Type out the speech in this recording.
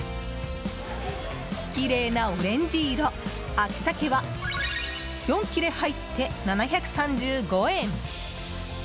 きれいなオレンジ色秋鮭は４切れ入って７３５円。